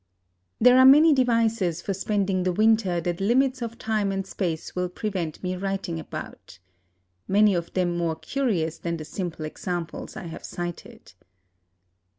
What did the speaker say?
There are many devices for spending the winter that limits of time and space will prevent me writing about. Many of them more curious than the simple examples I have cited.